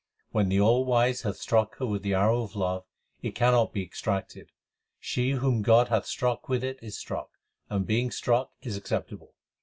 When the Allwise hath struck her with the arrow of love, it cannot be extracted. She whom God hath struck with it is struck, and being struck is acceptable.